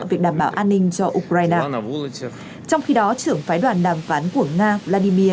việc đảm bảo an ninh cho ukraine trong khi đó trưởng phái đoàn đàm phán của nga vladimir